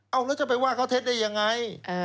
เอาแล้วจะไปว่าเขาเท็จได้ยังไง